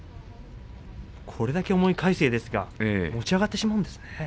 これだけ重い魁聖ですが持ち上がってしまうんですね。